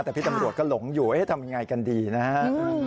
แต่พี่ตำรวจก็หลงอยู่ทำยังไงกันดีนะฮะ